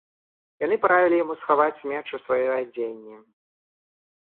Яны параілі яму схаваць меч у сваёй адзенні.